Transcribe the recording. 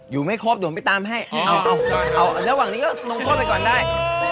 อยู่ไม่ครบอยู่ผมไปตามให้อ๋อเอาละวันเน่งก็น้องโทดไปก่อนได้